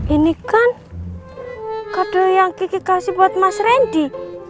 ini kan kado yang kiki kasih buat mas randy